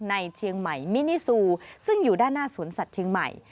ในเชียงใหม่มินิซูซึ่งอยู่ด้านหน้าสวนสัตว์เชียงใหม่